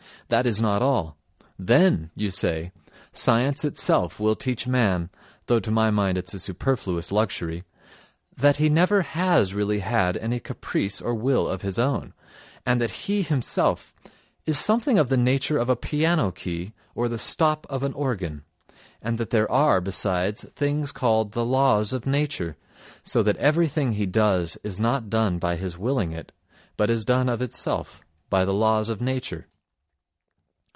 That is not all; then, you say, science itself will teach man (though to my mind it's a superfluous luxury) that he never has really had any caprice or will of his own, and that he himself is something of the nature of a piano key or the stop of an organ, and that there are, besides, things called the laws of nature; so that everything he does is not done by his willing it, but is done of itself, by the laws of nature.